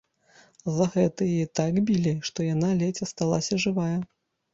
За гэта яе так білі, што яна ледзь асталася жывая.